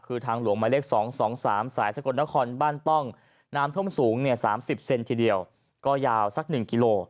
คือทางหลวงหมายเลข๒๒๓สายสกลนครบ้านต้องน้ำท่วมสูง๓๐เซนทีเดียวก็ยาวสัก๑กิโล